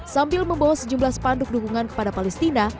sambil membawa sejumlah spanduk dukungan kepada palestina